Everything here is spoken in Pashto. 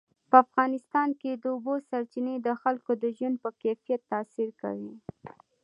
په افغانستان کې د اوبو سرچینې د خلکو د ژوند په کیفیت تاثیر کوي.